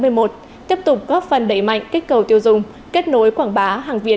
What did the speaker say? tiếp tục góp phần đẩy mạnh kích cầu tiêu dùng kết nối quảng bá hàng việt